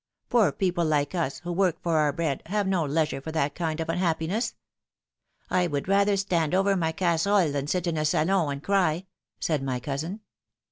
Poor people like us, who work for our bread, have no leisure for that kind of unhappiness. ' I would rather stand over my casseroles than sit in a salon and cry,' said my cousin."